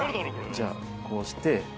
じゃあこうして。